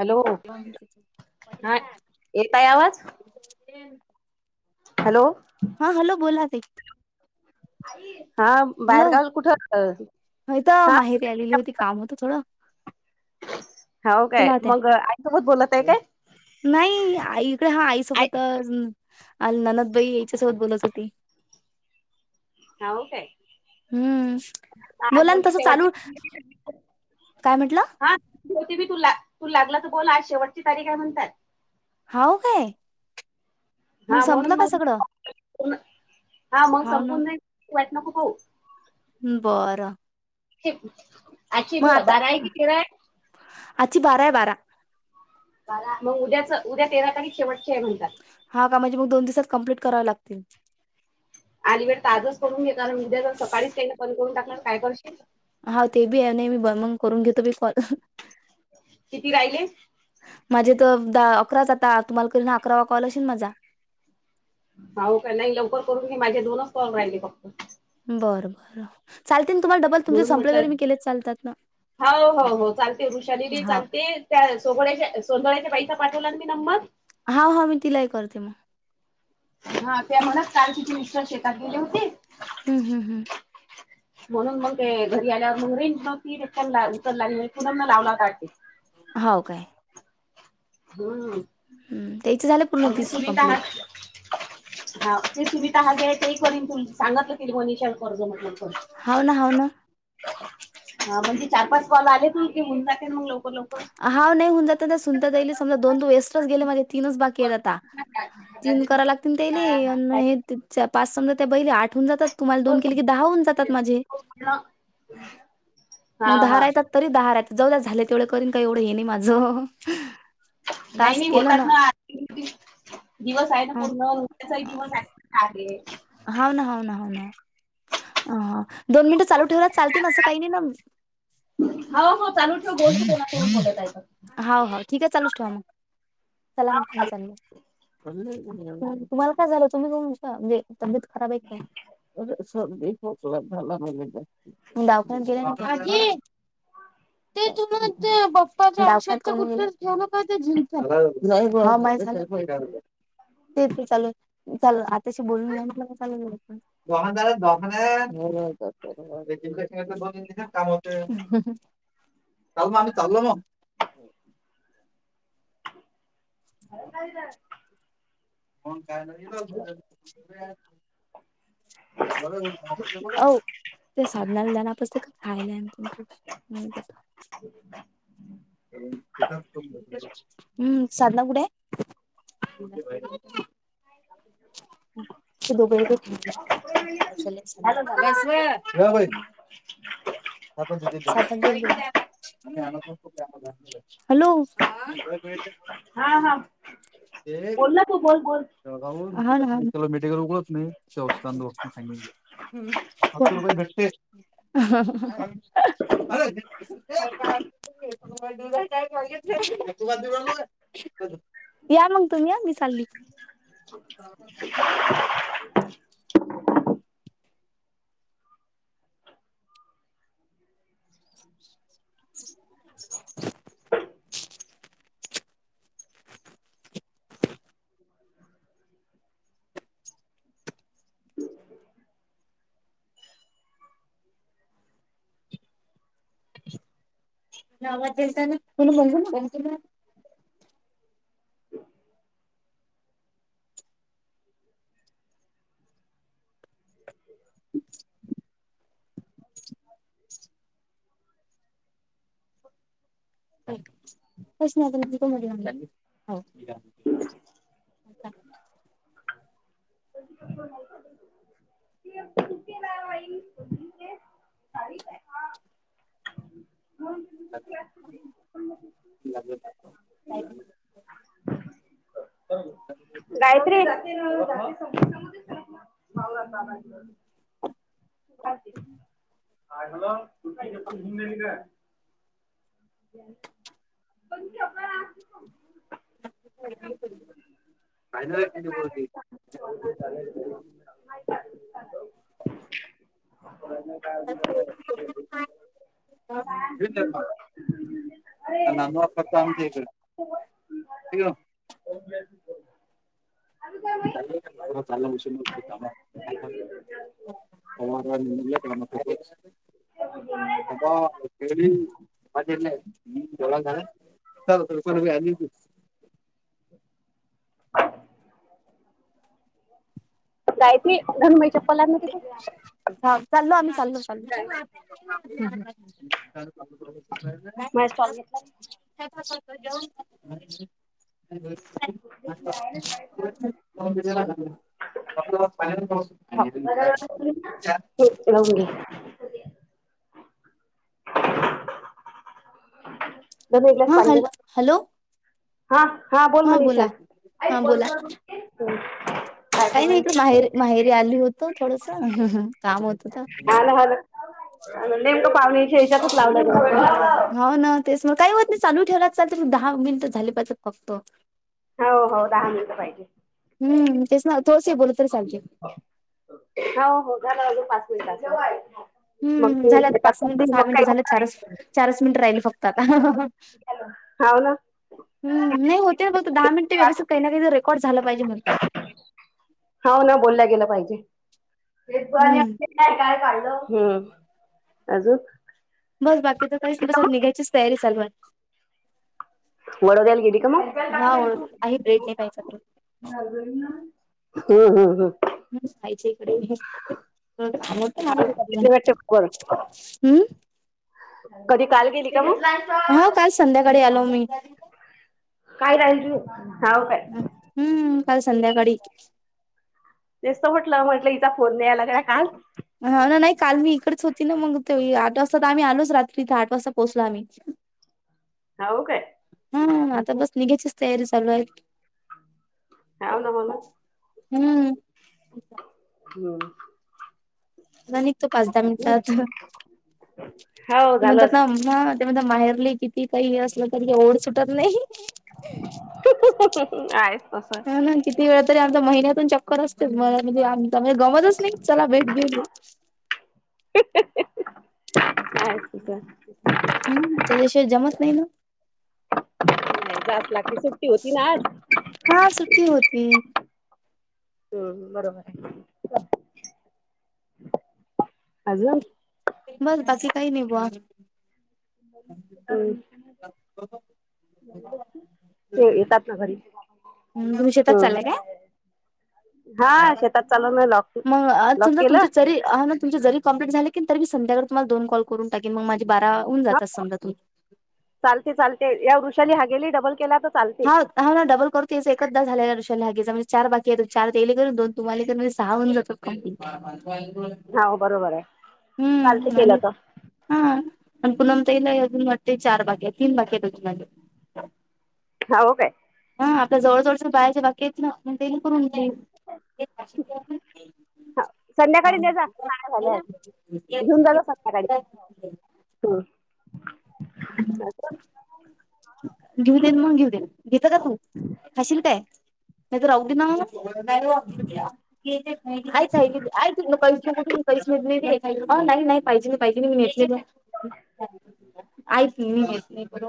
ऋल हा येताय आवाज [unintelligible] हॅलो! हा हॅलो बोला ताई. हा हॅलो बाहेरगावल कुठ हा ली होती काम होत थोडं हा हो काय चला त्या मग आईसोबत बोलत आहे काय नाही आईकडे हा आय आईसोबत अ ननदबाई याच्यासोबत बोलत होती ह हो काय हम्म आज बोला ना म्हण तसं शेवटची चालू काय म्हटलं हा होती मी तुला तू लागलं तर बोला शेवटची तारीख आहेय म्हणतात हाव काय मग हा संपलं म्हणून का सगळं मग हा मग हाव ना संपून वाईट नको होऊ बरं अ्छ मग बिवा आता बारा आहे की किरा आहे आजची बारा आहे बारा मग उद्याच उद्या तेरा तारीख शेवटचे आहे म्हणतात हा का म्हजे मग दोन दिसात कंप्लीट कराव लागतील अली वेळ ताजच करून घेण उद्या जर सकाळीच काहीलं पण करून टाकणार काय करशील हा ते बी आहे नाही मी ब मंग करून घेतो बी कॉल किती राहिले माझे तर द अकराच आता तुम्हाला क अकरावा कॉल असेल माझा होव का नाही लवकर करून की माझे दोनच कॉल राहिले फक्त बरं बरं चालते तुम्हाला डबल तुम म्हणून संपले म्हटलं तरी मी केलेच चालतात ना हो हो हो ांगते ऋषाली बी हा सांगते त्या सोगोळ्याच्या सोंो्याच्या पैसा पाठवला मी नममक हा हा मी तिलाही करते म हा त्या म्हणच काल तिची मिस्टर शेतात गेले होती हम् हम् हम [inaudible] म्हणून मग ते घरी आल्यावर मंगरें ती उतरला तर लावला तटते हो काय हम् हं, त्याचे झाले पूर्ण अगदी तीस तुम्हीितहात कंप्लीट हा ते सुविधा हा जे आहे ते एक वर्न तु सांगतलं तिरवनीच्या कर्ज म्हटलं हाव ना, हाव ना. ह हा म्हणजे चार पाच बॉल आलेत की होऊन जाते मग लोक लोक हा नाहीऊ जात त्या सुनताात जाईली समज दोन तो वेस्टच गेले मा तीनच बाकी आहेत आता धागा तीन देणं कराय लागतील तेले काळा ना आणि हे पाच समजा त्या बैले आठहून जातात तुम्हाला दोन केले तो की दहा होऊन जातात माझे हा मग दहा हा रायतात तरी दहाार आहे जवद झाले तेवढं करीन काय एवढं हे नाही माझं नाही टास्क नाही केलं होतात ना दिवस आहे ना हं. पूर्ण त्याचाही दिवस आहे हा ना ह ना ह ना दोन मिनिटं चालू ठेवय चालतील ना असं काही नाही ना हो हो चालू ठेवोललाय होा होा ठीक आहे चालूच ठेवा मग चला म्हणटलं मी चालू तुम्हाला काय झालं तुम्ही त म्हणजे तबेत खराब आहे का सोकला झाला डाव ग ते तुमं बंग आशाचं ठेवलं तरं मंग ते झीजतं होवं मायं झालं तेचं ते चालं चालं आत्यांशी बोलूंन घे मंग चालं जाऊं दवाखान्यांत जायंना दवाखान्यांत मी नाही जातं एक इंजेक्शन देते बरं होते नां कामते चालूं मं आम्हांला चाललो मंग अरे कायंले जातं मंग कायं म्हणे तो बरं जमते बरं ओ ते साधनांला लनांप असते कां खांयला [unintelligible] हम्मं साधनां कुठे आहे ये बां दुपरं कायं कशालेचं झालं झालं बसं वं हे गं बाई आंता ते देते मी आनतंच नाहीं हॅलो हा हा ते बोल ना तू बोल बोल जळगांव हूंन मेडिकल उघडं हवं नं शेवचेस्थान दोसग सत्तर रुपये भेटते हं हां हां हं कायं कांचन तुहां यां मंग तुम्हीं मी चाल्ली [unintelligible] [unintelligible] [unintelligible] मुले आवांज देलतानां कोणी बोलतं नां ते [unintelligible] ब [unintelligible] कांहींच नाहीं होतं प्रश होवं हं लां माई लागंल तरं कायं बी गायत्री वरी हं हॅलो कुठं कांय झालं म्हंण आपणं कायं नाहीं कली बोलती चां कां [unintelligible] कायं नान फक्तं कामंचीेत आम्हच्यां कडे [unintelligible] चां चालशी कां हं कायं कामं करती पडेस हबांली मजे जळं झां आहे चां पणं आती कायंती गणमई चप्पलांना तिथं हा. चाललो आम्ही, चाललो, चालो. [unintelligible] मला स्टॉल घेतला चल पटपट मग जेवण कर. [unintelligible] [unintelligible] [unintelligible] हम्म, लावून घ्या. [unintelligible] हेच हा पाणी देऊ हॅलो का? हॅलो. हा. हा. बोल मनीषा. हा ऐक बंद बोला करुन घे काही नाही इकडे माहेरी, माहेरी आली होत थोडसं. काम होतं तर ना हा ना हा नेमकं पावणीच्या याच्यातच लावला तु फोन. हो ना तेच मग. काही होत नाही, चालू ठेवला चालतंय पण दहा मिनिट झाले पाहिजेत फक्त. हो हो दहा मिनटं पाहिजे. हम् तेच ना थोडसे बोल्ले तरी चालतंय. हो. हो. [unintelligible] पाच मिनिटाचे. हम्म झाले आता, पाच मिनिटं, सहा मिनिटं झाले. चारच, होणार? चारच मिनिटं राहिलेत फक्त आता. [unintelligible] हाव ना. हम, नाही होते. फक्त दहा मिनिटे व्यवस्थित काही ना काही रेकॉर्ड झाला पाहिजे म्हणतात. हाव ना, बोलल्या गेला पाहिजे. हम्म [unintelligible] काय काय काढलं? हम् अजून बस बाकीच काही नाही. साडेसात निघायचीच तयारी चालू आहे. वडोदऱ्या ला गेली का मग? हा ओळख आहे ब्रेड नाही [inaudible] पाहिजे तर [inaudible] हम् हम् हम्. मस्त खायचे इकडे. हा मग. वाटते बर [unintelligible] हम् कधी काल गेली का मग? हा काल संध्याकाळी आलो मी. काय राहिजू. हाव काय? हम्म. काल संध्याकाळी तेच तर म्हटलं. म्हटलं इचा फोन नाय आला काय काल. हा ना. नाही काल मी इकडेच होती ना, मग ते आठ वाजता तर आम्ही आलोच रात्री इथे. आठ वाजता पोहोचलो आम्ही. अच्छा. हाव काय? हम्म, हा आता बस निघाचीच तयारी चालू आहे. हाव ना, मला हम्म हम्म [inaudible] आता निघतो पाच दहा मिनिटात. [inaudible] हो ते झालं म्हणतात ना असं. अम्मा म्हणता माहेरले किती काही असलं, तरी ओढ सुटत नाही. [unintelligible] आहेच तसं म्हणून किती वेळा तरी आमच्या महिन्यातून चक्कर असतोच, [unintelligible] मले गमतच नाही. चला भेट घेऊन येऊ. [unintelligible] [inaudible] हम्म त्याच्याशिवाय जमत नाय ना. [inaudible] नाय जापला की सुट्टी होती ना आज. हा सुट्टी होती हम्म, बरोबर आय अजून बस बाकी काय नाय बॉ. हम्म. ते येतात ना घरी? हम्म, तुम्ही शेतात चालला हम्म काय? हा शेतात चालवण लॉक म आज लॉक समजा तुमचे केलं चरी तुम जरी कम्लीट झाली तरी संध्याकाळी मी तुम्हाला दोन कॉल करून टाकेन मग माझे बारा हुन जातात समजा तुम्ही. चालते चालते या वृषाली हागेली डबल केला तर चालते हा. हा ना डबल करू तेच एकदा झालाय वृषाली हागेचा म्हजे चार बाकी आयत चार तेले करून दोन तुम्हाले करू म्हजे सहा होन जातो. काकी हाव बरोबर आय चालते आणि केलं त. हा अन् पूणम ताईंना ही अजून वाटते चार बाकीय तीन बाकी आयत अजून माझे. हाव काय? हा आपल्या जवळ जवळच बायाच बाकी एत ना. मग त्येयल करून घेईन. हा संध्याकाळी न्हे जा काय झालंय घिवून जा संध्याकाळी. हां. [inaudible] घीव देन मग घीवदेन घेत का तू खाशील काय? नाय तर आवडीन, हॅलो ऐक ऐक ऐक कायच नको घेऊ [unintelligible] अ नाय नाय पाहिजेल पाहिजेल मी येते ग. [unintelligible] ऐक मी न्हेत नाय खर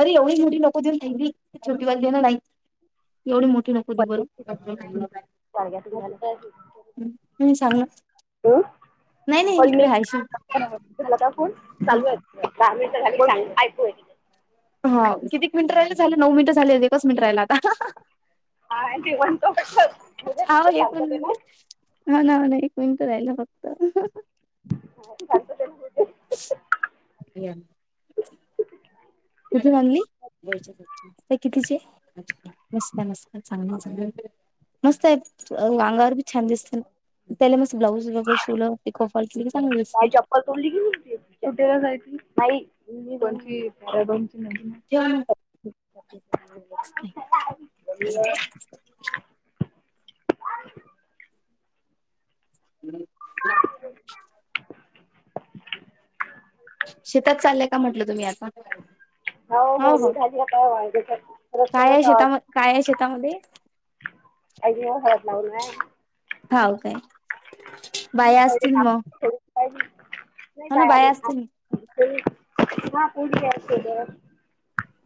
अरे एवढी मोठी नको देऊ थैंली. छोटी वाली दे ना नाय एवढी मोठी न को देऊ बर कुणी सांगल? हम्म, वहीनी [unintelligible] झाला का फोन चालूय दहा मिनटं झाली की सांग ऐकू हा कितीक मिनट राहिले झाले नऊ मिनिट झाले एकच मिनिटं राहिला आता. हा आणि ती म्हणतो कसं होवूदे तुमचं शांततेनं. हो ना हो ना एक मिनट राहिलं फक्त. नाय शांततेन होवूदे. य. कुठून आणली? व्हय च्या [unintelligible] ते कितीचे? मस्त मस्त चांगलं चांगल. मस्त आय आंगावर बी छान दिसत ना त्याला मस् ब्लाऊज वगैरे शिवलं पिको फाॅल केली की चांगल दिसते. कुठेला जायची? हाई कोणची आर्या कोणाची नदी? ठेवा मग. हम्म, जा. [inaudible] शेतात चाल्या का म्हंटलं तुम्ही आता? हो! हो! निघाली आता हे काय? रस्त्यानचं हावोत! कायय शेतामध्ये? आज योग हळद लावनंय हाव काय? बाया असतील म नाही बाया असतील नाहीत [unintelligible] हा पोरगी हाय सोबत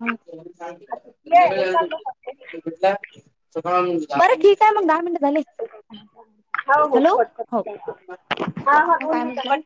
हां संध्याकाळी आणाय जमतय! बरं ठी काय मग! दहा मिनट झाले हॅलो! हो म काय म्हटलंय?